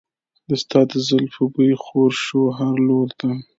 د ستا د زلفو بوی خور شو هر لور ته.